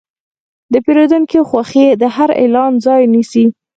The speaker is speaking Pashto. د پیرودونکي خوښي د هر اعلان ځای نیسي.